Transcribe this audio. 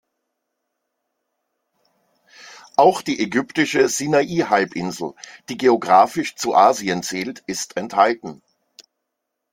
Auch die ägyptische Sinai-Halbinsel, die geographisch zu Asien zählt, ist enthalten.